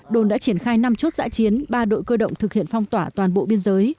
đồn đã triển khai năm chốt giã chiến ba đội cơ động thực hiện phong tỏa toàn bộ biên giới